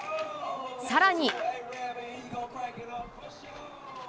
さらに。